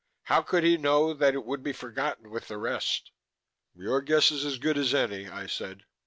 "How could he know that it would be forgotten with the rest?" "Your guess is as good as any," I said.